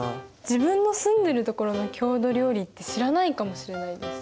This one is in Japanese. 自分の住んでいるところの郷土料理って知らないかもしれないです。